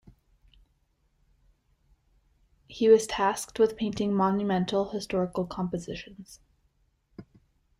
He was tasked with painting monumental, historical compositions.